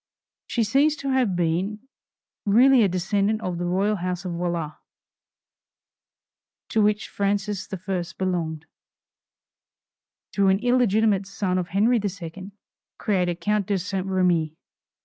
She seems to have been really a descendant of the royal house of Valois, to which Francis I. belonged; through an illegitimate son of Henry II. created Count de St. Remi.